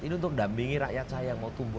ini untuk dampingi rakyat saya yang mau tumbuh